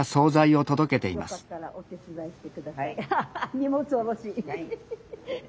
荷物下ろし。